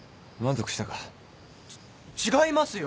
ち違いますよ！